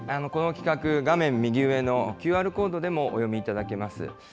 この企画、画面右上のＱＲコードでもお読みいただいただけます。